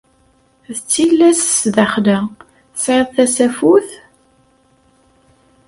D tillas sdaxel-a. Tesɛiḍ tasafut?